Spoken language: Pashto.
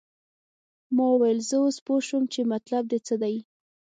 ما وویل زه اوس پوه شوم چې مطلب دې څه دی.